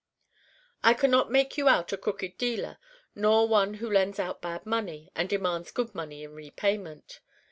I can not make you out a crooked dealer nor one who lends out bad money and demands good money in repayment.